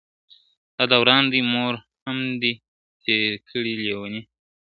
دا دوران دي مور هم دی تېر کړی لېونۍ `